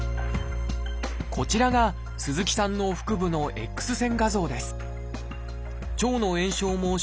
こちらが鈴木さんの腹部のＸ線画像です